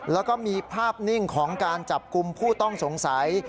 แล้วก็มีภาพนิ่งของการจับกลุ่มผู้ต้องสงสัย